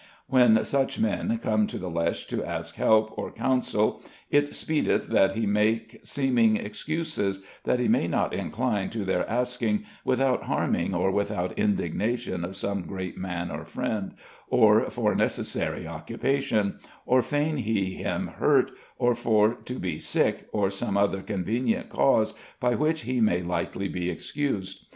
'... When such men come to the leche to ask help or counsel, it speedeth that he make seeming excuses, that he may not incline to their asking without harming or without indignation of some great man or friend, or for necessary occupation; or feign he him hurt, or for to be sick, or some other convenient cause by which he may likely be excused.